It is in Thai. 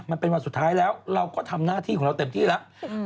มันเป็นวันสุดท้ายแล้วเราก็ทำหน้าที่ของเราเต็มที่แล้ว